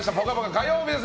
火曜日です！